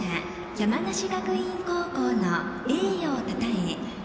山梨学院高校の栄誉をたたえ